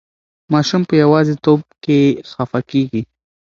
ماشوم په یوازې توب کې خفه کېږي.